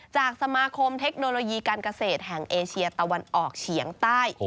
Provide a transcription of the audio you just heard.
จากสมาคมเทคโนโลยีการเกษตรแห่งเอเชียตะวันออกเฉียงใต้